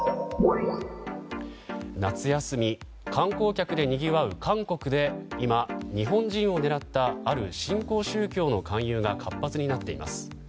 夏休み、観光客でにぎわう韓国で今日本人を狙った、ある新興宗教の勧誘が活発になっています。